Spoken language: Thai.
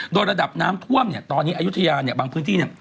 โดยระดับน้ำท่วมตอนนี้อายุทยาบางพื้นที่